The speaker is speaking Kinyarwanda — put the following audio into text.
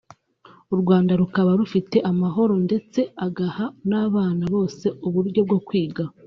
u Rwanda rukaba rufite amahoro ndetse agaha n’abana bose uburyo bwo kwiga